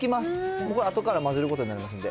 ここ、あとから混ぜることになりますので。